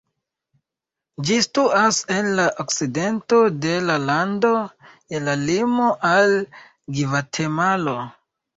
Ĝi situas en la okcidento de la lando, je la limo al Gvatemalo.